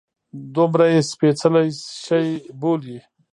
دومره یې سپیڅلی شي بولي.